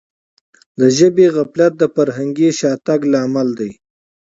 د ژبي غفلت د فرهنګي شاتګ لامل دی.